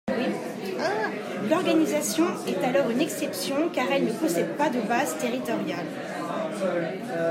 L'organisation est alors une exception car elle ne possède pas de base territoriale.